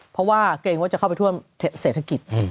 เพราะว่าเกรงว่าจะเข้าไปท่วมเศรษฐกิจ